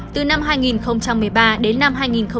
từ năm hai nghìn một mươi ba đến năm hai nghìn một mươi bảy